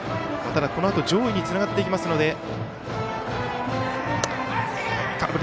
ただ、このあと上位につながっていくので。